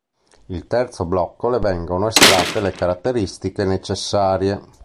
Il terzo blocco le vengono estratte le caratteristiche necessarie.